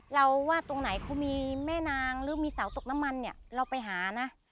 เราว่าตรงไหนเขามีแม่นางหรือมีเสาตกน้ำมันเนี่ยเราไปหานะ